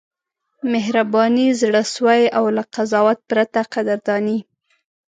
مهرباني، زړه سوی او له قضاوت پرته قدرداني: